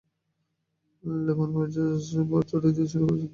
Lemon, মেজাজ চড়িয়ে দিতে শুরু করেছো কিন্তু।